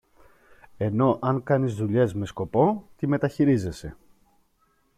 ενώ αν κάνεις δουλειές με σκοπό, τη μεταχειρίζεσαι.